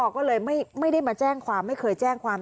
ก็เลยไม่ได้มาแจ้งความไม่เคยแจ้งความ